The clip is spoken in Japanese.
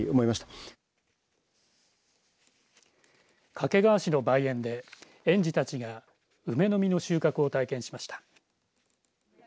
掛川市の梅園で園児たちが梅の実の収穫を体験しました。